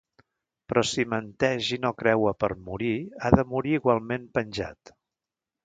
Però si menteix i no creua per morir, ha de morir igualment penjat.